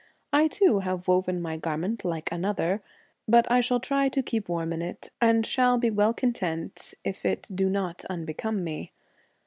I too have woven my garment like another, The but i shall try to keep warm in it, and shall Twilight, be well content if it do not unbecome me.